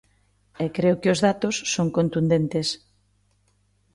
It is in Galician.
E creo que os datos son contundentes.